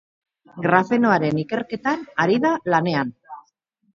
Grafenoaren ikerketan ari da lanean.